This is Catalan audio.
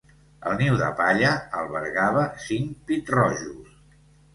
El niu de palla albergava cinc pit-rojos.